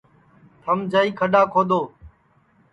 تھم جائی کھڈؔا کھودؔو